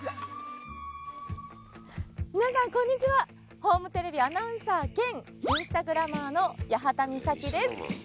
ホームテレビアナウンサー兼インスタグラマーの八幡美咲です。